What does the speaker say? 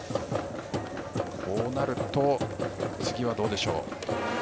こうなると次はどうでしょう。